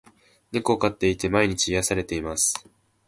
猫を飼っていて、毎日癒されています。